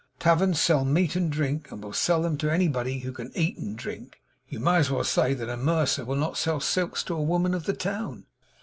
Taverns sell meat and drink, and will sell them to any body who can eat and can drink. You may as well say that a mercer will not sell silks to a woman of the town.'